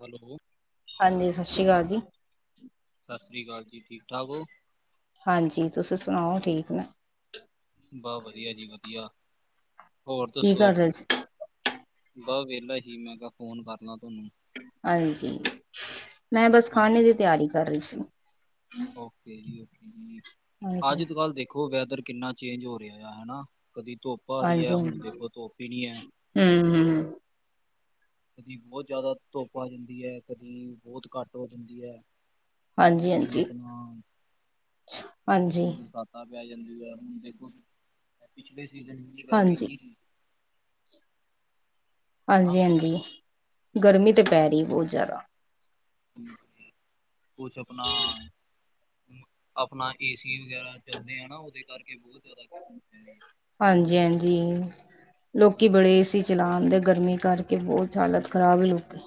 Hello. ਹਾਂਜੀ, ਸਤਿ ਸ਼੍ਰੀ ਅਕਾਲ ਜੀ। ਸਤਿ ਸ਼੍ਰੀ ਅਕਾਲ ਜੀ, ਠੀਕ ਠਾਕ ਹੋ? ਹਾਂਜੀ ਤੁਸੀਂ ਸੁਣਾਓ ਠੀਕ ਹੋ? ਬਸ ਵਧੀਆ ਜੀ, ਵਧੀਆ, ਹੋਰ ਕੀ ਦੱਸੋ? ਕਰ ਰਹੇ ਸੀ ਬਸ ਵਿਹਲਾ ਸੀ ਮੈਂ ਕਿਹਾ ਫੋਨ ਕਰ ਲਾਂ ਤੁਹਾਨੂੰ। ਹਾਂਜੀ, ਮੈਂ ਬਸ ਹਾਂਜੀ ਖਾਣੇ ਦੀ ਹਾਂਜੀ ਤਿਆਰੀ ਕਰ ਰਹੀ ਸੀ। ਓਕੇ ਜੀ, ਓਕੇ ਜੀ ਹਾਂਜੀ ਅੱਜ ਕੱਲ ਦੇਖੋ ਵੈਦਰ ਕਿੰਨਾ। ਚੇਂਜ ਹੋ ਰਿਹਾ ਆ ਹਨਾ ਕਦੀ ਧੁੱਪ ਆ ਰਹੀ ਹਾਂਜੀ ਆ ਹੁਣ ਹਾਂਜੀ ਦੇਖੋ ਧੁੱਪ ਈ ਨਹੀਂ ਆ। ਹਮ ਹਮ ਹਮ। ਕਦੀ ਬਹੁਤ ਜ਼ਿਆਦਾ ਧੁੱਪ ਆ ਜਾਂਦੀ ਐ ਕਦੀ ਬਹੁਤ ਘੱਟ ਹੋ ਜਾਂਦੀ ਹੈ। ਹਾਂਜੀ ਤਾਂ ਹਾਂਜੀ ਹਾਂਜੀ [inaudible] ਤਾ ਪੈ ਜਾਂਦੀ ਹੁਣ ਦੇਖੋ ਪਿਛਲੇ ਸੀਜ਼ਨ ਕਿੰਨੀ ਹਾਂਜੀ ਗਰਮੀ ਸੀ। ਨਾ ਹਾਂਜੀ, ਹਾਂਜੀ ਗਰਮੀ ਤੇ ਪੈ ਰਹੀ ਬਹੁਤ ਜ਼ਿਆਦਾ। ਕੁਛ ਆਪਣਾ। ਆਪਣਾ ਏ ਸੀ ਵਗੈਰਾ ਚੱਲਦੇ ਹਨ ਨਾ ਉਹਦੇ ਕਰਕੇ ਬਹੁਤ। ਜ਼ਿਆਦਾ ਗਰਮੀ ਪੈ ਰਹੀ ਹੈ। ਹਾਂਜੀ -ਹਾਂਜੀ ਲੋਕੀ ਹਾਂਜੀ ਬੜੇ ਏ ਸੀ। ਚਲਾ ਆਦੇ ਗਰਮੀ ਕਰਕੇ ਬਹੁਤ ਹਾਲਤ ਖ਼ਰਾਬ ਹੈ ਲੋਕੀ।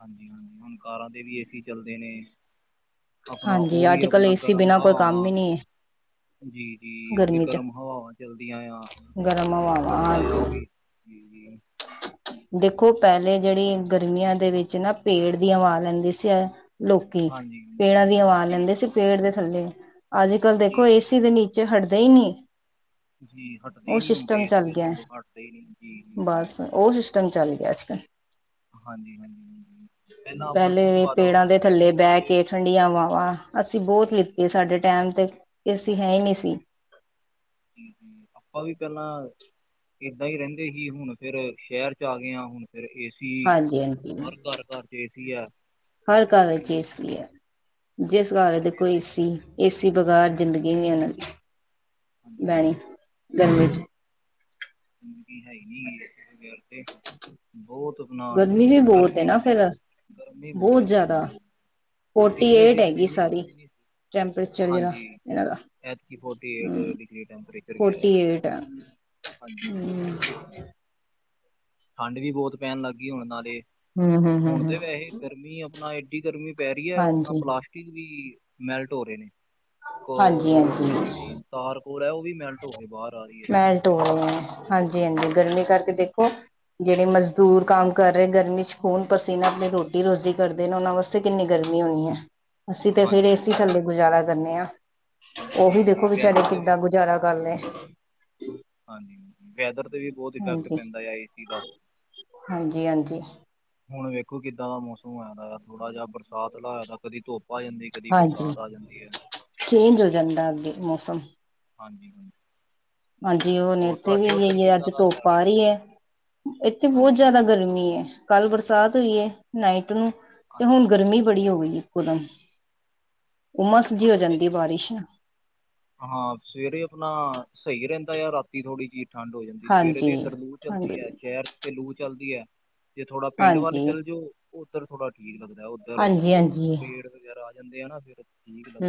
ਹਾਂਜੀ -ਹਾਂਜੀ ਹੁਣ ਕਾਰਾਂ ਤੇ ਵੀ ਏਸੀ ਚੱਲਦੇ ਨੇ। ਆਪਣਾ ਹਾਂਜੀ ਉਹ ਵੀ ਅੱਜ ਕੱਲ੍ਹ ਆਪਣਾ ਏਸੀ ਗਰਮ ਬਿਨਾਂ ਕੋਈ ਕੰਮ ਹਵਾਵਾਂ। ਹੀ ਨਹੀਂ ਜੀ- ਹੈ ਜੀ ਉਹ ਵੀ ਗਰਮੀ 'ਚ ਗਰਮ ਹਵਾਵਾਂ ਚੱਲਦੀਆਂ ਆ ਗਰਮ ਹਵਾਵਾਂ ਸੜਦਾ ਆ ਉਹ ਹਾਂਜੀ ਵੀ। ਜੀ-ਜੀ। ਦੇਖੋ ਪਹਿਲੇ ਜਿਹੜੀ ਗਰਮੀਆਂ ਦੇ ਵਿੱਚ ਨਾ ਪੇੜ ਦੀ ਹਵਾ ਲੈਂਦੇ ਸੀ ਲੋਕੀ ਹਾਂਜੀ ਪੇੜਾਂ ਦੀ ਹਵਾ ਜੀ ਲੈਂਦੇ ਜੀ ਸੀ। ਪੇੜ ਦੇ ਥੱਲੇ ਅੱਜ ਕੱਲ੍ਹ ਜੀ ਦੇਖੋ ਜੀ ਏਸੀ ਦੇ ਨੀਚੇ। ਨੀਚੇ ਹਟਦੇ ਹੀ ਨਹੀਂ। ਜੀ ਹਟਦੇ ਹੀ ਉਹ ਨੀ ਹੁੰਦੇ ਸਿਸਟਮ ਏ ਸੀ ਚੱਲ ਦੇ ਗਿਆ ਥੱਲੋਂ ਹਟਦੇ ਹੀ ਨੀ ਜੀ। ਤੁਹਾਨੂੰ ਚਾਲੀ ਕਹਿ ਦਿੱਤਾ। ਹਾਂਜੀ ਹਾਂਜੀ। ਪਹਿਲਾਂ ਆਪਣਾ ਸ਼ੁੱਧ ਪਹਿਲੇ ਪੇੜਾਂ ਵਾਤਾਵਰਨ ਦੇ ਸੀ ਥੱਲੇ ਹੁਣ ਬਹਿ ਤੇ ਕੇ ਠੰਡੀਆਂ ਹਵਾਂਵਾਂ ਅਸੀਂ ਬਹੁਤ। ਇਹ ਜੀ ਸਾਡੇ ਟਾਈਮ ਤੇ ਏਸੀ ਹੈ ਈ ਨਹੀਂ ਸੀ। ਆਪਾਂ ਵੀ ਪਹਿਲਾਂ। ਇਦਾਂ ਈ ਰਹਿੰਦੇ ਸੀ ਹੁਣ ਫੇਰ ਅਸੀਂ ਸ਼ਹਿਰ ਚ ਆ ਗਏ ਆ ਹੁਣ। ਫਿਰ ਏਸੀ ਹਾਂਜੀ ਹਾਂਜੀ ਹਰ ਘਰ ਘਰ ਚ ਏਸੀ ਆ। ਹਰ ਘਰ ਵਿੱਚ ਏਸੀ ਆ। ਜਿਸ ਘਰ ਵਿੱਚ ਦੇਖੋ ਏਸੀ ਏਸੀ ਬਗੈਰ ਜ਼ਿੰਦਗੀ ਨੀਂ ਉਹਨਾਂ ਦੀ। ਬੈਣੀ ਗਰਮੀ ਚ। ਜਿੰਦਗੀ ਹੈ ਨਹੀਂ ਏਸੀ ਤੋਂ ਬਗੈਰ ਤੇ ਬਹੁਤ। ਨਾਲ ਗਰਮੀ ਵੀ ਬਹੁਤ ਹੈ ਗਰਮੀ ਵੀ ਨਾ ਤੇ ਫਿਰ ਗਰਮੀ ਬਹੁਤ ਜ਼ਿਆਦਾ ਪੈਂਦੀ ਆ। ਫੋਰਟੀ ਏਟ ਹੈਗੀ ਸਾਰੀ ਨਹੀਂ ਸੀ ਟੈਂਪਰੇਚਰ ਜਿਹੜਾ ਹਾਂਜੀ ਇਹਨਾਂ ਦਾ। ਐਤਕੀ ਫੋਰਟੀ ਏਟ ਹਮ ਡਿਗਰੀ ਟੈਂਪਰੇਚਰ ਗਿਆ ਫੋਰਟੀ ਆ ਏਟ ਹਾਂਜੀ। ਹਮ ਠੰਡ ਵੀ ਬਹੁਤ ਪੈਣ ਲੱਗ ਗਈ ਹੁਣ ਨਾਲ਼ੇ ਹਮ ਹਮ ਹਮ ਹੁਣ ਹਮ ਤਾਂ ਵੈਸੇ ਗਰਮੀ ਆਪਣਾ ਇਕ। ਗਰਮੀ ਪੈ ਰਹੀ ਹੈ ਉਹ ਨਾਲ ਹਾਂਜੀ ਪਲਾਸਟਿਕ ਵੀ ਮੈਲਟ ਹੋ ਰਹੇ ਨੇ। ਇਕ ਹਾਂਜੀ ਰੋਡ ਹਾਂਜੀ ਤੇ ਜਿਹੜੀ ਤਾਰ ਹੈ ਉਹ ਵੀ ਮੈਲਟ ਹੋ ਕੇ ਬਾਹਰ ਆ ਰਹੀ ਹੈ। ਤੋ ਹਾਂਜੀ ਹਾਂਜੀ ਗਰਮੀ ਕਰਕੇ ਦੇਖੋ। ਜਿਹੜੇ ਮਜ਼ਦੂਰ ਕੰਮ ਕਰ ਰਹੇ, ਗਰਮੀ ਚ ਖੂਨ ਪਸੀਨਾ ਆਪਣੇ ਰੋਟੀ ਰੋਜ਼ੀ ਕਰਦੇ ਨੇ, ਉਹ ਵਾਸਤੇ ਕਿੰਨੀ ਗਰਮੀ ਹੋਣੀ ਹੈ, ਅਸੀਂ ਤੇ ਫੇਰ ਹਾਂਜੀ ਏੇ ਹਾਂਜੀ ਸੀ ਥੱਲੇ ਗੁਜ਼ਾਰਾ ਕਰਨੇ ਆ। ਉਹ ਵੀ ਜੀ ਜੀ ਦੇਖੋ ਵਿਚਾਰੇ, ਵੈਦਰ ਤੇ ਵੀ ਕਿੱਦਾਂ ਗੁਜ਼ਾਰਾ ਕਰ ਜੀ ਲਏ। ਜੀ ਹਾਂਜੀ, ਵੈਦਰ ਤੇ ਵੀ ਬਹੁਤ ਇਫੈਕਟ ਹਾਂਜੀ ਪੈਂਦਾ ਆ, ਏ ਸੀ ਦਾ। ਹਾਂਜੀ ਹਾਂਜੀ। ਹੁਣ ਵੇਖੋ ਕਿੱਦਾਂ ਦਾ ਮੌਸਮ ਹੋਯਾ ਦਾ ਐ, ਥੋੜ੍ਹਾ ਜਹਾ ਬਰਸਾਤ ਲਾਆ ਦਾ, ਕਦੀ ਧੁੱਪ ਆ ਜਾਂਦੀ। ਕਦੀ ਹਾਂਜੀ ਬਰਸਾਤ ਆ ਜਾਂਦੀ ਐ। ਚੇਂਜ ਹੋ ਜਾਂਦਾ ਅੱਗੇ ਮੌਸਮ। ਹਾਂਜੀ। ਹਾਂਜੀ ਹੁਣ ਹੋਰ ਇੱਥੇ ਵੀ, ਤੁਹਾਡੇ ਉੱਧਰ ਇਹੀ ਕਿੱਦਾਂ ਅੱਜ ਦਾ ਚੱਲ ਧੁੱਪ ਆ ਰਿਹਾ ਰਹੀ ਆ। ਇੱਥੇ ਬਹੁਤ ਹਾਂਜੀ ਜ਼ਿਆਦਾ ਗਰਮੀ ਹੈ। ਕੱਲ ਬਰਸਾਤ ਹੋਈ ਹੈ, ਨਾਈਟ ਨੂੰ, ਤੇ ਹੁਣ ਅੱਛਾ ਗਰਮੀ ਬੜੀ ਹੋ ਗਈ ਏ। ਉਮਸ, ਉਮਸ ਜੀ ਹੋ ਜਾਂਦੀ ਏ, ਬਾਰਿਸ਼ ਹਾਂ, ਸਵੇਰੇ ਆਪਣਾ ਸਹੀ ਰਹਿੰਦਾ ਆ, ਰਾਤੀ ਥੋੜ੍ਹੀ ਜਿਹੀ। ਠੰਡ ਹੋ ਜਾਂਦੀ, ਸਵੇਰੇ ਹਾਂਜੀ ਦੇ ਇੱਧਰ ਲੂ ਚੱਲਦੀ ਹੈ, ਹਾਂਜੀ ਸ਼ਹਿਰ ਜ ਤੇ ਲੂ ਚੱਲਦੀ ਹੈ। ਜੇ ਥੋੜਾ ਪਿੰਡ ਵੱਲ ਹਾਂਜੀ ਚੱਲ ਜਾਓ, ਉੱਧਰ ਥੋੜਾ ਠੀਕ ਲੱਗਦਾ, ਉੱਧਰ ਹਾਂਜੀ ਹਾਂਜੀ ਫੇਰ ਖਤ ਵਗੈਰਾ ਆ ਜਾਂਦੇ ਆ ਨਾ ਫੇਰ ਹੂ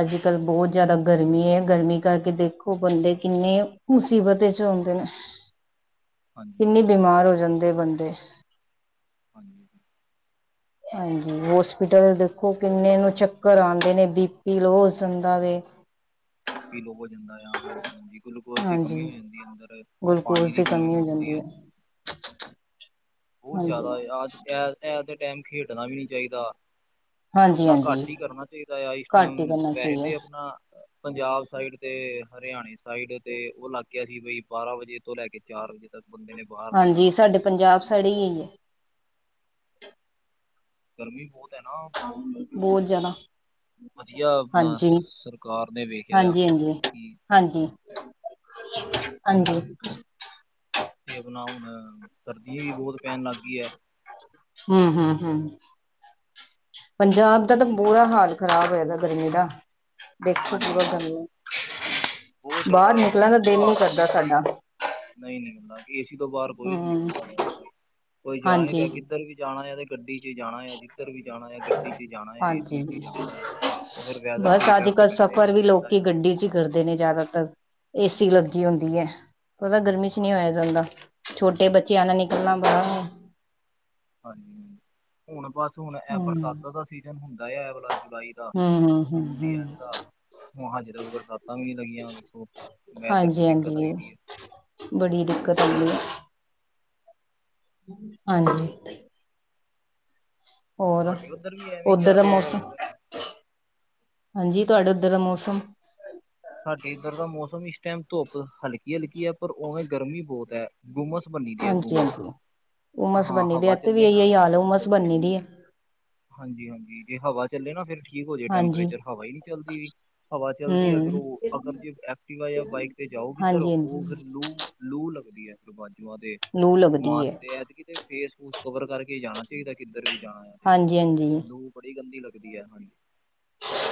ਅੱਜ ਕੱਲ੍ਹ ਬਹੁਤ ਜ਼ਿਆਦਾ ਗਰਮੀ ਹੈ, ਗਰਮੀ ਕਰਕੇ ਦੇਖੋ ਬੰਦੇ ਕਿੰਨੇ। ਮੁਸੀਬਤ ਚ ਆਉਦੇ ਨੇ, ਹਾਂਜੀ ਹਾਂਜੀ ਕਿੰਨੇ ਹਾਂਜੀ ਬਿਮਾਰ ਹੋ ਜਾਂਦੇ ਬੰਦੇ। ਹਾਂਜੀ। ਹਾਂਜੀ, ਹੋਸਪਿਟਲ ਦੇਖੋ ਕਿੰਨੇ ਨੂੰ ਚੱਕਰ ਆਉਂਦੇ ਨੇ, ਬੀ ਪੀ ਲੋ ਜਾਂਦਾ ਦੇ ਬੀ ਪੀ ਲੋ ਹੋ ਜਾਂਦਾ ਆ, ਹਾਂਜੀ ਹਾਂਜੀ। ਗਲੂਕੋਜ ਦੀ ਹਾਂਜੀ ਕਮੀ ਹੋ ਜਾਂਦੀ ਹੈ ਅੰਦਰ, ਪਾਣੀ ਦੀ ਕਮੀ ਹੋ ਜਾਂਦੀ ਹੈ। [unintelligible] ਬਹੁਤ ਹਾਂਜੀ ਜ਼ਿਆਦਾ ਐ, ਐ ਤੇ ਟਾਈਮ ਖੇਡਣਾ ਵੀ ਨਹੀ ਚਾਹੀਦਾ ਹਾਂਜੀ ਆਪਣਾ ਘੱਟ ਹਾਂਜੀ ਹੀ ਕਰਨਾ ਚਾਹੀਦਾ ਆ ਇਸ ਘੱਟ ਹੀ ਟਾਈਮ, ਕਰਨਾ ਵੈਸੇ ਚਾਹੀਏ ਤੇ ਆਪਣਾ। ਪੰਜਾਬ ਸਾਈਡ ਤੇ, ਹਰਿਆਣੇ ਸਾਈਡ ਤੇ, ਉਹ ਇਲਾਕਿਆ ਸੀ ਬਈ, ਬਾਰਾਂ ਵਜੇ ਤੋਂ ਲੈ ਕੇ ਚਾਰ ਵਜੇ ਤੱਕ ਬੰਦੇ ਨੇ ਬਾਹਰ ਨਹੀਂ ਜਾਣਾ ਹਾਂਜੀ ਸਾਡੇ ਪੰਜਾਬ ਸਾਈਡ ਇਆ ਹੀ ਹੈ ਗਰਮੀ ਬਹੁਤ ਹੈ ਨਾ ਬਹੁਤ ਜ਼ਿਆਦਾ ਵਧੀਆ ਆਪਣਾ ਹਾਂਜੀ ਸਰਕਾਰ ਨੇ ਵੇਖਿਆ ਆ ਹਾਂਜੀ ਹਾਂਜੀ ਕਿ ਹਾਂਜੀ ਹਾਂਜੀ। ਤੇ ਆਪਣਾ ਹੁਣ, ਸਰਦੀ ਵੀ ਬਹੁਤ ਪੈਣ ਲੱਗ ਗਈ ਆ। ਹੂ ਹੂ ਹੂ ਪੰਜਾਬ ਦਾ ਤਾਂ ਤੇ ਸਿਰ ਬੁਰਾ ਹਾਲ ਖ਼ਰਾਬ ਹੋਇਆ ਦਾ ਗਰਮੀ ਦਾ, ਦੇਖੋ ਹਾਂਜੀ ਪੂਰਾ ਹਾਂਜੀ ਗਰਮੀ ਬਹੁਤ ਬਾਹਰ ਜਿਆਦਾ ਨਿਕਲਣ ਦਿਲ ਬੁਰਾ ਨੀ ਹਾਲ ਹੈ। ਕਰਦਾ ਦਾ ਸਾਡਾ ਨਹੀਂ ਨਿਕਲਦਾ ਏ ਸੀ ਤੋਂ ਬਾਹਰ ਕੋਈ ਨੀ ਹਮ ਨਿਕਲਦਾ ਰਿਹਾ, ਕੋਈ ਜਾ ਨ ਹਾਂਜੀ ਰਿਹਾ, ਕਿੱਧਰ ਵੀ ਜਾਣਾ ਤੇ ਗੱਡੀ ਚ ਜਾਣਾ ਆ, ਜਿੱਧਰ ਵੀ ਜਾਣਾ ਆ, ਗੱਡੀ ਚ ਜਾਣਾ ਆ, ਏ ਸੀ ਚ ਹੀ ਹਾਂਜੀ ਜਾਣਾ ਆ ਉਹ ਫਿਰ ਵੈਦਰ 'ਤੇ ਬਸ ਅੱਜ ਇਫੈਕਟ ਕੱਲ੍ਹ ਪੈਂਦੇ ਨੇ ਸਫ਼ਰ ਵੀ ਪੈਂਦਾ ਲੋਕੀ ਆ ਗੱਡੀ ਚ ਹੀ ਕਰਦੇ ਨੇ ਜ਼ਿਆਦਾਤਰ, ਜੀ, ਏ ਸੀ ਜੀ, ਲੱ ਹੁੰਦੀ ਹੈ, ਉਹਦਾ ਗਰਮੀ ਚ ਹਾਂ ਨਹੀਂ ਹਾਂਜੀ ਹੋਇਆ ਜਾਂਦਾ, ਛੋਟੇ ਬੱਚਿਆਂ ਨਾਲ ਨਿਕਲਣਾ ਬੜਾ ਹਾਂਜੀ, ਹੁਣ ਬਸ ਹੁਣ ਇਹ ਬਰਸਾਤਾਂ ਦਾ ਸੀਜਨ ਹੁੰਦਾ ਹੈ, ਇਹ ਵਾਲਾ ਜੁਲਾਈ। ਦਾ, ਹਮ ਹਮ ਹਮ ਜੂਨ ਦੀ ਹਮ ਐਂਡ ਦਾ ਹੁ, ਹਜੇ ਤੱਕ ਬਰਸਾਤਾਂ ਵੀ ਨੀ ਲੱਗੀਆਂ ਵੇਖੋ, ਵੈਦਰ ਚ ਹਾਂਜੀ ਦਿੱਕਤ ਆਈ ਹਾਂਜੀ ਦੀ ਹੈ ਬੜੀ ਦਿੱਕਤ ਹੁੰਦੀ ਏ ਹਾਂਜੀ। ਹੋਰ ਤੁਹਾਡੇ ਉੱਧਰ ਵੀ ਐਵੇਂ ਹੀ ਓਧਰ ਚੱਲ ਦਾ ਰਿਹਾ ਆ ਮੌਸਮ ਵੈਦਰ ਹਾਂਜੀ, ਤੁਹਾਡਾ ਉੱਧਰ ਦਾ ਮੌਸਮ ਸਾਡੇ ਇੱਧਰ ਦਾ ਮੌਸਮ, ਇਸ ਟਾਈਮ ਧੁੱਪ ਹਲਕੀ ਹਲਕੀ ਹੈ, ਪਰ ਉਵੇਂ ਗਰਮੀ ਬਹੁਤ ਹੈ। ਗੁੰਮਸ ਬਨੀ ਦੀ ਹੈ ਹਾਂਜੀ ਗੁੰਮਸ ਹਾਂਜੀ ਉਮਸ ਹਾਂ, ਬੰਨੀ ਦੀ ਹਵਾ ਇੱਥੇ ਵੀ ਚੱਲੇ ਨਾ- ਇਹੀ ਹਾਲ ਹੈ, ਉਮਸ ਬੰਨੀ ਦੀ ਹੈ ਹਾਂਜੀ ਹਾਂਜੀ! ਜੇ ਹਵਾ ਚੱਲੇ ਨਾ ਫੇਰ ਠੀਕ ਹੋ ਜਾਏ ਹਾਂਜੀ ਟੈਂਪਰੇਚਰ ਹਵਾ ਹੀ ਨਹੀਂ ਚੱਲਦੀ, ਹਵਾ ਚੱਲਦੀ ਆ- ਫਿਰ ਹਮ ਉਹ ਅਗਰ ਜੇ ਐਕਟੀਵਾ ਜਾਂ ਬਾਈਕ ਤੇ ਜਾਓ ਕਿੱਧਰ ਹਾਂਜੀ ਉਹ ਫਿਰ ਹਾਂਜੀ ਲੂ- ਲੂ ਲੱਗਦੀ ਹੈ ਫਿਰ ਬਾਜੂਆਂ ਤੇ, ਲੂ ਲੱਗਦੀ ਮਾਸਕ ਹੈ ਤੇ ਐਤਕੀ ਤੇ ਫੇਸ ਫੂਸ ਕਵਰ ਕਰਕੇ ਜਾਣਾ- ਚਾਹੀਦਾ ਕਿੱਧਰ ਵੀ ਜਾਣਾ! ਅਜੇ ਹਾਂਜੀ ਹਾਂਜੀ ਲੂ ਬੜੀ ਗੰਦੀ ਲੱਗਦੀ ਹੈ ਹਾਂਜੀ-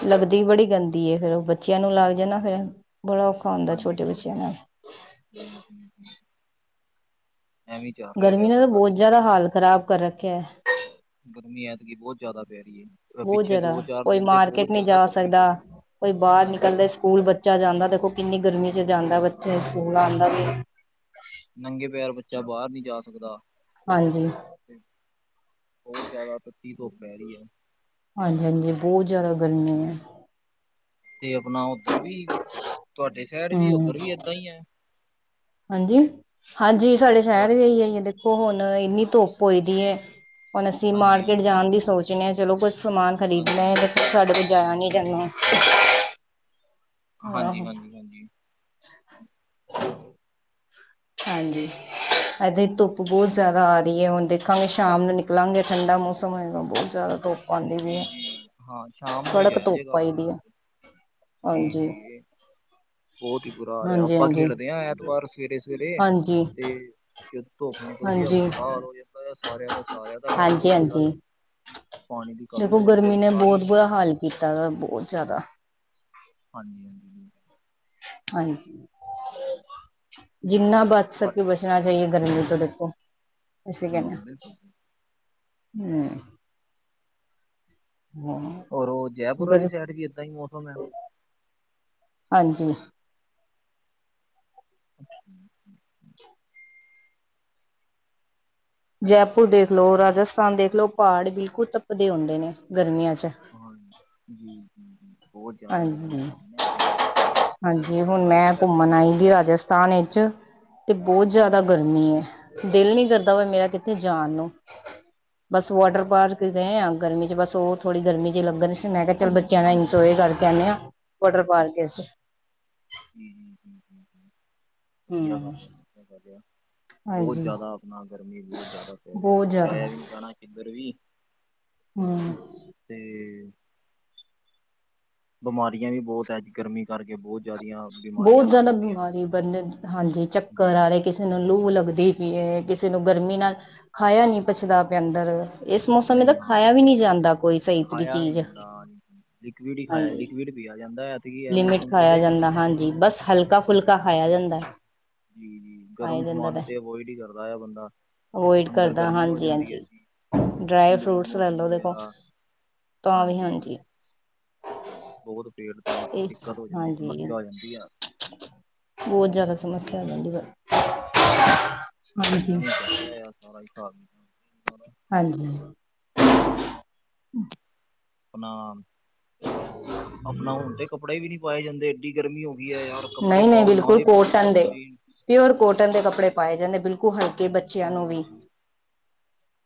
ਲੱਗਦੀ ਬੜੀ ਗੰਦੀ ਫੇਰ ਉਹ ਬੱਚਿਆਂ ਨੂੰ ਲੱਗ ਜਾਣਾ ਫੇਰ ਬੜਾ ਔਖਾ- ਹੁੰਦਾ ਹਾਂਜੀ ਛੋਟੇ ਹਾਂਜੀ ਬੱਚਿਆਂ ਨਾਲ। ਹੂ ਹੂ ਹੂ ਐਵੇਂ ਚੱਲ ਰਿਹਾ ਵ ਗਰਮੀ ਨੇ ਇਧਰ ਤਾਂ ਦਾ ਤੇ ਬਹੁਤ ਜ਼ਿਆਦਾ ਸਿਸਟਮ- ਹਾਲ ਖ਼ਰਾਬ ਕਰ ਰੱਖਿਆ ਐ, ਗਰਮੀ ਐਤਕੀ ਬਹੁਤ ਜ਼ਿਆਦਾ ਪੈ ਰਹੀ ਏ। ਬੋ ਜਾਦਾ ਕੋਈ ਮਾਰਕੀਟ ਨੀ ਜਾ ਗਰਮੀ ਸਕਦਾ ਹੋਈ ਹੈ ਕੋਈ ਬਾਰ ਹਾਂਜੀ ਨਿਕਲਦੇ ਹਾਂਜੀ ਸਕੂਲ ਬੱ ਚਾ ਜਾਂਦਾ ਦੇਖੋ ਕਿੰਨੀ ਗਰਮੀ ਚ ਜਾਂਦਾ ਬੱਚੇ ਸਕੂਲ ਆਂਦਾ ਵੀ। ਨੰਗੇ ਪੈਰ ਬੱਚਾ ਬਾਰ ਨੀ ਜਾ ਸਕਦਾ। ਹਾਂਜੀ। ਬੋਤ ਜਾਦਾ ਤੱਤੀ ਧੁਪ ਪੈਰੀ ਏ। ਹਾਂਜੀ-ਹਾਂਜੀ ਬੋ ਜਾਦਾ ਗਰਮੀ ਐ। ਤੇ ਆਪਣਾ ਓਧਰ ਵੀ, ਤੁਹਾਡੇ ਸ਼ੈਰ ਵੀ ਓਧਰ ਵੀ ਏਦਾਂ ਈ ਐ। ਹਾਂਜੀ-ਹਾਂਜੀ, ਸਾਡੇ ਸੈਰ ਵੀ [unintelligible] ਆਈ ਦੇਖੋ ਹੁਣ ਇੰਨੀ ਧੁੱਪ ਹੋਈ ਦੀ ਐ। ਹੁਣ ਅਸੀਂ ਹਾਂਜੀ ਮਾਰਕੀਟ ਹਾਂਜੀ ਜਾਣ ਦੀ ਸੋਚਨੇ ਆ ਚਲੋ ਕੁੱਛ ਸਮਾਨ ਖਰੀਦਣਾ ਏ। ਹਾਂਜੀ ਸਾਡੇ ਕੋਲ ਜਾਇਆ ਨੀ ਜਾਣਾ। ਹਾਂਜੀ ਆਹੋ। ਹਾਂਜੀ ਹਾਂਜੀ। [inaudible] ਹਾਂਜੀ। ਇੱਧਰ ਧੁੱਪ ਬਹੁਤ ਜ਼ਿਆਦਾ ਆ ਰਹੀ ਹੈ ਹੁਣ ਦੇਖਾਂਗੇ ਸ਼ਾਮ ਨੂੰ ਨਿਕਲਾਂਗੇ ਠੰਡਾ ਮੌਸਮ ਹੋਏਗਾ ਬਹੁਤ ਜ਼ਿਆਦਾ ਧੁੱਪ ਆਉਂਦੀ ਵੀ ਜੀ ਹੈ ਜੀ, ਹਾਂ ਸ਼ਾਮ ਨੂੰ ਹੀ ਕੜਕ ਜਾਇ ਧੁੱਪ ਜਾਏਗਾ ਆਈ ਦੀ ਬਾਜ਼ਾਰ ਹੈ ਤੇ ਜੀ ਹਾਂਜੀ ਜੀ ਇਹ, ਬਹੁਤ ਹੀ ਬੁਰਾ ਹਾਲ ਆ ਹਾਂਜੀ ਆਪਾਂ ਹਾਂਜੀ ਖੇਡਦੇ ਹਾਂ ਐਤਵਾਰ। ਸਵੇਰੇ ਸਵੇਰੇ। ਹਾਂਜੀ ਤੇ ਜ ਧੁੱਪ ਨਿਕਲਦੀ ਆ ਹਾਂਜੀ ਬੁਰਾ ਹਾਲ ਹੋ ਜਾਂਦਾ ਆ ਸਾਰਿਆਂ ਦਾ ਸਾਰਿਆਂ ਦਾ ਡਾਊਨ ਹਾਂਜੀ ਹੋ ਜਾਂਦਾ ਹਾਂਜੀ ਆ। ਪਾਣੀ ਦੀ ਕਮੀ ਦੇਖੋ ਹੋ ਜਾਂਦੀ ਹੈ ਗਰਮੀ ਨੇ ਸਾਰੀ ਬਹੁਤ ਬੁਰਾ ਹਾਲ ਕੀਤਾ ਉਹ ਤਾ ਬਹੁਤ ਜ਼ਿਆਦਾ ਹਾਂਜੀ ਹਾਂਜੀ ਜੀ ਹਾਂਜੀ। ਜਿੰਨਾ ਬਚ ਤੁਹਾ ਸਕੇ ਬਸ ਣਾ ਚਾਹੀਏ ਗਰਮੀ ਤੋਂ ਦੇਖੋ ਅਸੀਂ ਕਹਿੰਦੇ ਹੂੰ ਬਿਲਕੁਲ ਜੀ। ਹਮ। ਹੋਰ ਉਹ ਜੈਪੁਰ ਵਾਲੀ ਸਾਈਡ ਵੀ ਏਦਾਂ ਹੀ ਮੌਸਮ ਹੈ। ਹਾਂਜੀ। [unintelligible] ਜੈਪੁਰ ਦੇਖ ਲੋ, ਰਾਜਸਥਾਨ ਦੇਖ ਲੋ ਪਾੜ ਬਿਲਕੁੱਲ ਤੱਪਦੇ ਹੁੰਦੇ ਨੇ ਗਰਮੀਆਂ ਚ। ਹਾਂਜੀ ਜੀ ਜੀ ਜੀ ਬੋ ਜਦਾ ਗਰਮੀ ਹਾਂਜੀ ਪੈਰੀ ਨਾ ਐਤਕੀ। ਗਰਮੀ ਹਾਂਜੀ ਦਾ ਹੁਣ ਸਾਈਡ ਮੈਂ ਇਫੈਕਟ ਵੀ ਘੁੰਮਣ ਬਹੁਤ ਆਈਦੀ ਹੈ। ਰਾਜਸਥਾਨ ਵਿੱਚ। ਤੇ ਬੋਤ ਜਾਦਾ ਹਾਂਜੀ, ਗਰਮੀ ਏ। ਦਿਲ ਨੀ ਕਰਦਾ ਵਾ ਮੇਰਾ ਕਿੱਥੇ ਜਾਣ ਨੂੰ, ਬਸ ਵੋਟਰ ਹਾਂਜੀ, ਪਾਰ [unintelligible] ਹਾਂਜੀ। ਗਏ ਆ ਗਰਮੀ ਚ ਬਸ ਓ ਥੋੜੀ ਗਰਮੀ ਚ ਲੱਗਣ ਸੀ ਮੈਂ ਕਿਆ ਚੱਲ ਬੱਚਿਆਂ ਨਾਲ ਇਨਜੋਅ [unintelligible] ਕਰ ਕੈਨੇ ਆ ਵਾਟਰ ਪਾਰਕ ਵਿੱਚ। ਹੂੰ-ਹੂੰ-ਹੂੰ-ਹੂੰ-ਹੂੰ ਵਧੀਆ ਹਮ ਗੱਲ ਐ [unintelligible] ਬੋਤ ਹਾਂਜੀ ਜਾਦਾ ਆਪਣਾ ਗਰਮੀ ਬੋਤ ਜਾਦਾ ਪੈਰੀ ਐ ਬਹੁਤ ਜ਼ਿਆਦਾ ਜਾਇਆ ਵੀ ਨੀ ਜਾਣਾ ਕਿੱਧਰ ਵੀ। ਹਮ ਤੇ ਬਿਮਾਰੀਆਂ ਵੀ ਬੋਤ ਐ ਅੱਜ ਗਰਮੀ ਕਰਕੇ ਬੋ ਬੋਤ ਜਾਦਾ ਬਿਮਾਰੀ ਬ ਹਾਂਜੀ ਚੱਕਰ ਜੀ, ਆਰੇ। ਕਿਸੇ ਨੂੰ ਲੂ ਲੱਗਦੀ ਪਈ ਏ, ਕਿਸੇ ਨੂੰ ਗਰਮੀ ਨਾਲ ਖਾਇਆ ਨੀ ਪਚਦਾ ਪਿਆ ਅੰਦਰ। ਇਸ ਮੌਸਮ ਤਾਂ ਨਹੀਂ ਹਾਂ ਖਾਇਆ ਵੀ ਨੀ ਜਾਂਦਾ ਕੋਈ ਸਈ ਤਰੀ ਚੀਜ਼। ਹਾਂਜੀ, ਲਿਕਵੀਡ ਹੀ ਖਾਆ, ਹਾਂਜੀ ਲੀਕਵੀਡ ਪੀਆ ਜਾਂਦਾ ਏ। ਲਿਮਿਟ ਖਾਇਆ ਜਾਂਦਾ ਹਾਂਜੀ, ਬਸ ਹਲਕਾ ਫੁਲਕਾ ਖਾਇਆ ਜਾਂਦਾ। ਜੀ-ਜੀ, ਖਾਇਆ ਗਰਮ ਜਾਂਦਾ ਸਮਾਨ ਤਾਂ ਤੇ ਅਵੋਇਡ ਈ ਕਰਦਾ ਐ ਬੰਦਾ। ਅਵੋਇਡ ਅੰਦਰ ਕਰਦਾ ਗਰਮੀ ਹੋ ਜਾਂਦੀ ਹੈ ਹਾਂਜੀ-ਹਾਂਜੀ, ਜੀ। ਡਰਾਈ ਲੂਜ ਫਰੂਟਸ ਮੋਸ਼ਨ ਲੈਲੋ ਦੇਖੋ। ਵਗੈਰਾ ਤਾਂ ਵੀ ਹਾਂਜੀ। ਬੋਤ ਪੇਟ ਦੀ ਦਿੱਕਤ ਹੋ ਜਾਂਦੀ, ਸਮੱਸਿਆ ਹੋ ਜਾਂਦੀ ਆ। ਬੋਤ ਜਾਦਾ ਸਮੱਸਿਆ ਹੋ ਜਾਂਦੀ ਆ। ਐਵੇਂ ਈ ਜਾ ਰਿਆ ਸਾਰਾ ਈ [unintelligible] ਸਾਰਾ ਹਾਂਜੀ। ਅਪਣਾ, ਅਪਣਾ ਹੁਣ ਤੇ ਕੱਪੜੇ ਵੀ ਨੀ ਪਾਏ ਜਾਂਦੇ। ਡੀ ਗਰਮੀ ਹੋ ਗਈ ਏ ਯਾਰ, ਕੱਪੜੇ ਨਹੀਂ ਨਹੀਂ ਪਾਓ ਬਿਲਕੁਲ ਨਾਲੇ ਪਸੀਨੋ ਕੋਟਨ ਦੇ ਪਸੀਨ। ਪਿਓਰ ਕੋਟਨ ਦੇ ਕੱਪੜੇ ਪਾਏ ਜਾਂਦੇ, ਬਿਲਕੁਲ ਹਲਕੇ ਬੱਚਿਆਂ ਨੂੰ ਵੀ।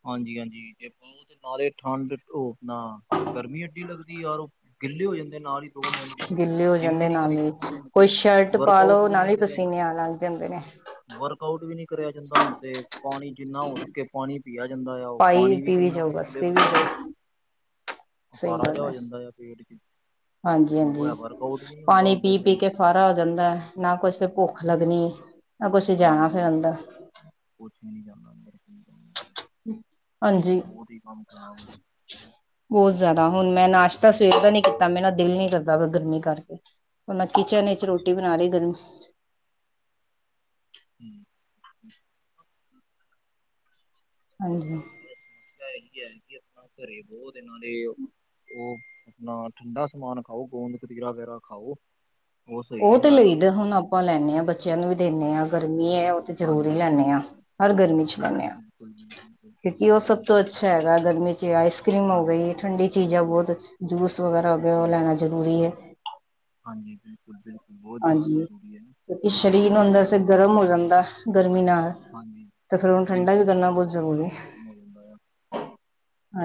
ਹਾਂਜੀ-ਹਾਂਜੀ, ਤੇ ਬੌਹਤ ਨਾਲੇ ਠੰਡ ਉ ਅਪਣਾ, ਗਰਮੀ ਐਡੀ ਲੱਗਦੀ ਯਾਰ ਗਿੱਲੇ ਹੋ ਜਾਂਦੇ ਨੇ ਨਾਲ ਈ। ਦੋ ਮਿੰਟ ਚ, ਗਿੱਲੇ ਹੋ ਜਿੰਮ ਵੀ ਜਾਂਦੇ ਨੀ ਕਰੀ ਨਾਲ ਹੀ ਜਾਂਦੀ ਹੁਣ ਕੋਈ ਤੇ, ਸ਼ਰਟ ਵਰਕ ਪਾ ਆਊਟ ਲਓ ਵੀ ਨਾਲ ਨਹੀਂ ਹੀ ਕਰਿਆ ਪਸੀਨੇ ਆਣ ਲੱਗ ਜਾਂਦੇ ਨੇ ਵਰਕ ਆਊਟ ਵੀ ਨੀ ਕਰਿਆ ਜਾਂਦਾ ਹੁਣ ਤੇ, ਪਾਣੀ ਜਿੰਨਾ ਹੋ ਸਕ ਕੇ ਪਾਣੀ ਪੀਆ ਜਾਂਦਾ ਆ, ਉਹ ਪਾਈ ਪਾਣੀ ਵੀ ਪੀਵੀ ਕਿੰਨਾ ਜਾਓ ਕੁ ਪੀ ਬਸ ਲੇ ਪੀਵੀ ਬੰਦਾ? ਜਾਓ ਅਫਾਰਾ ਜੇਆ ਹੋ ਜਾਂਦਾ ਆ ਪੇਟ ਚ। ਹਾਂਜੀ-ਹਾਂਜੀ, ਵਰਕਆਊਟ ਵੀ ਨਹੀਂ ਹੁੰਦਾ ਪਾਣੀ ਹੁੰਦੇ ਪੀ-ਪੀ ਸਹੀ ਕੇ ਫਾਰਾ ਹੋ ਜਾਂਦਾ ਏ, ਨਾ ਕੁਛ ਫੇ ਭੁੱਖ ਲੱਗਣੀ ਨੀ, ਨਾ ਕੁਛ ਜਾਣਾ ਫੇਰ ਅੰਦਰ। ਕੁੱਛ ਵੀ ਨੀ ਜਾਂਦਾ ਅੰਦਰ, ਨੀ ਜਾਂਦਾ। [unintelligible] ਬੋਤ ਈ ਕੰਮ ਖਰਾਬ ਐ। ਬੋਤ ਜਾਦਾ, ਹੁਣ ਮੈਂ ਨਾਸ਼ਤਾ ਸਵੇਰ ਦਾ ਨੀ ਕੀਤਾ, ਮੇਰੇ ਦਿਲ ਨੀ ਕਰਦਾ ਬਆ ਗਰਮੀ ਕਰਕੇ। ਹੁਣ ਮੈਂ ਕਿਚਨ ਇੱਚ ਅੱਛਾ ਰੋਟੀ ਬਣਾ ਰਈ ਗਰਮੀ ਹੂੰ। ਹਾਂਜੀ। ਬਸ ਸਮੱਸਿਆ ਐਹੀ ਐ, ਕੀ ਆਪਣਾ ਘਰੇ ਬੋ ਦਿਨਾਂ ਦੇ ਓ ਅਪਣਾ ਠੰਡਾ ਸਮਾਨ ਖਾਓ, ਗੋਂਦ ਕਤੀਰਾ ਵਗੈਰਾ ਖਾਓ। ਉਹ ਸਹੀ ਓਹ ਤੇ ਰਹਿੰਦਾ ਆ ਲਈਦਾ ਹੁਣ, ਆਪਾਂ ਲੈਂਨੇ ਆ, ਬੱਚਿਆਂ ਨੂੰ ਵੀ ਦਿੰਨੇ ਆ। ਗਰਮੀ ਏ, ਉਹ ਤੇ ਜ਼ਰੂਰ ਹੀ ਹਾਂਜੀ ਲੈਂਨੇ ਆ, ਹ ਹਰ ਗਰਮੀ ਚ ਲੈਂਨੇ ਆ, ਬਿਲਕੁਲ ਬਿਲਕੁਲ ਕਿਉਂਕਿ ਉਹ ਸਭ ਤੋਂ ਅੱਛਾ ਹੈਗਾ, ਗਰਮੀ ਇੱਚ ਆਈਸ ਕਰ੍ਰੀਮ ਹੋ ਹਾਂਜੀ ਗਈ, ਠੰਡੀ ਚੀਜ਼ਾਂ ਬੋਤ ਅਛ, ਜੂਸ ਵਗੈਰਾ ਓ ਹਾਂ ਲੈਣਾ ਜ਼ਰੂਰੀ ਏ। ਹਾਂਜੀ ਬਿਲਕੁੱਲ-ਬਿਲਕੁੱਲ, ਬੋਤ ਜਾਦਾ ਜ਼ਰੂਰੀ ਏ ਜੀ। ਕਿਉਕਿ ਸ਼ਰੀਰ ਨੂੰ ਅੰਦਰ ਸੇ ਗਰਮ ਹੋ ਜਾਂਦਾ ਏ, ਗਰਮੀ ਨਾਲ। ਹਾਂਜੀ, ਤੇ ਫਿਰ ਉਹਨੂੰ ਠੰਡਾ ਵੀ ਕਰਨਾ ਬਿਲਕੁਲ-ਬਿਲਕੁਲ, ਬਹੁਤ ਜ਼ਰੂਰੀ ਹੈ ਗਰਮ ਹੋ ਜਾਂਦਾ ਆ।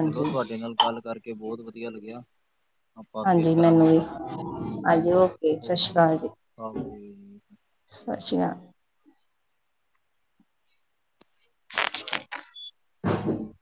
ਚਲੋ ਤੁਆਡੇ ਨਾਲ ਗੱਲ ਕਰਕੇ ਬਹੁਤ ਵਧੀਆ ਲੱਗਿਆ। ਆਪਾਂ ਫੇਰ ਹਾਂਜੀ ਮੈਨੂੰ ਕਰਾਂਗੇ ਵੀ, ਗੱਲ ਹਾਂਜੀ ਓਕੇ, ਸਤਿ ਸ੍ਰੀ ਅਕਾਲ ਜੀ। ਓਕੇ ਸਤਿਸ਼੍ਰੀਆ। [inaudible]